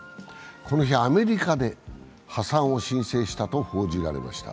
この日、アメリカで破産を申請したと報じられました。